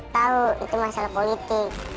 tahu itu masalah politik